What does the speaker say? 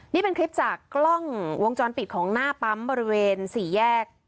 นี่เป็นคลิปจากกล้องวงจรปิดของหน้าปั๊มบริเวณสี่แยก